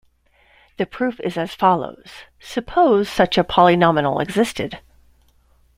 The proof is as follows: Suppose such a polynomial existed.